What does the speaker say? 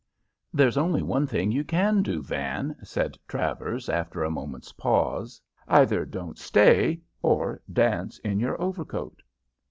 "'There's only one thing you can do, Van,' said Travers after a moment's pause. 'Either don't stay, or dance in your overcoat.'